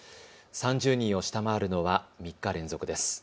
３０人を下回るのは３日連続です。